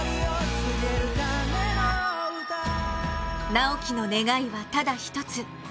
直喜の願いはただ一つ。